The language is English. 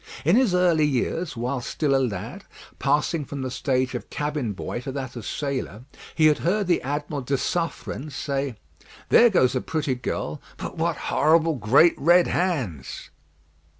In his early years, while still a lad, passing from the stage of cabin boy to that of sailor, he had heard the Admiral de Suffren say, "There goes a pretty girl; but what horrible great red hands."